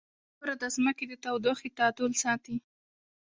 • واوره د ځمکې د تودوخې تعادل ساتي.